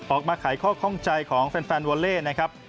ไขข้อข้องใจของแฟนวอเล่นะครับ